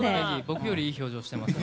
僕よりいい表情してます。